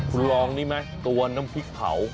คุณลองนี่ไหมตัวน้ำพริกเผา